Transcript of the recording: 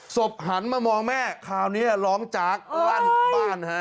หันมามองแม่คราวนี้ร้องจากลั่นบ้านฮะ